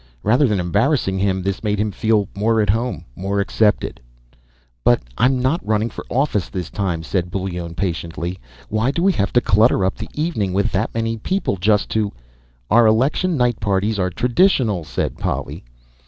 Rather than embarrassing him, this made him feel more at home, more accepted. "But I'm not running for office this time," said Bullone patiently. "Why do we have to clutter up the evening with that many people just to " "Our election night parties are traditional," said Polly.